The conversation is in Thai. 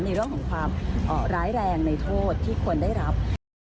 ในเรื่องของความร้ายแรงในโทษที่ควรได้รับ